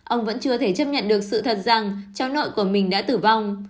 ông vẫn chưa thể chấp nhận được sự thật rằng cháu nội của mình đã tử vong